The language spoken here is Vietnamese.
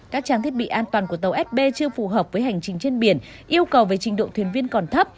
các trang thiết bị an toàn của tàu sb chưa phù hợp với hành trình trên biển yêu cầu về trình độ thuyền viên còn thấp